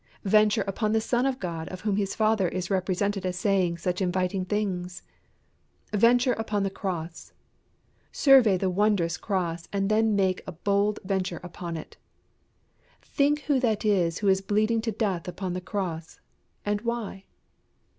Venture upon the Son of God of whom His Father is represented as saying such inviting things. Venture upon the cross. Survey the wondrous cross and then make a bold venture upon it. Think who that is who is bleeding to death upon the cross, and why?